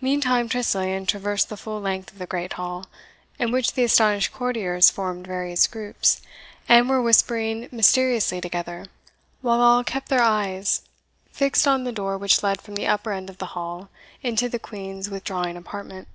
Meantime Tressilian traversed the full length of the Great Hall, in which the astonished courtiers formed various groups, and were whispering mysteriously together, while all kept their eyes fixed on the door which led from the upper end of the hall into the Queen's withdrawing apartment.